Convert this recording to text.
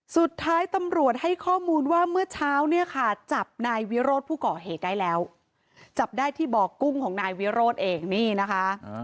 สุดท้ายตำรวจให้ข้อมูลว่าเมื่อเช้าเนี่ยค่ะจับนายวิโรธผู้ก่อเหตุได้แล้วจับได้ที่บ่อกุ้งของนายวิโรธเองนี่นะคะ